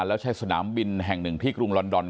แล้วใช้สนามบินแห่งหนึ่งที่กรุงลอนดอน